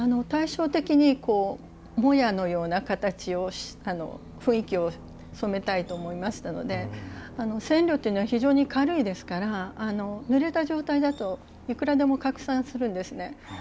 対照的にもやのような形を雰囲気を染めたいと思いましたので染料というのは非常に軽いですからぬれた状態だといくらでも拡散するんですね。